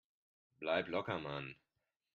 Bleib locker, Mann